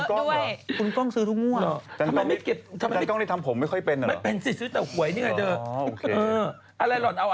โอ้คุณกล้องซื้อเยอะด้วยอ้า